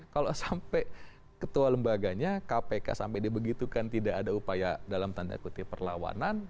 kalau sampai ketua lembaganya kpk sampai dibegitukan tidak ada upaya dalam tanda kutip perlawanan